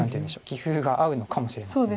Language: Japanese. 棋風が合うのかもしれません。